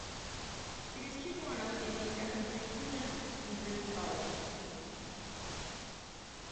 It is a cubewano, and named after Deucalion, from Greek mythology.